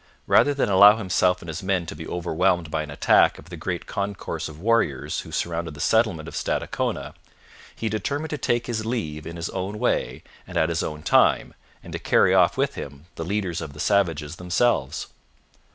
Rather than allow himself and his men to be overwhelmed by an attack of the great concourse of warriors who surrounded the settlement of Stadacona, he determined to take his leave in his own way and at his own time, and to carry off with him the leaders of the savages themselves.